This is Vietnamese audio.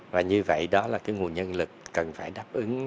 và như vậy đó là cái nguồn nhân lực cần phải đáp ứng